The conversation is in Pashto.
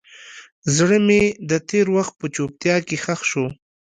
زړه مې د تېر وخت په چوپتیا کې ښخ شو.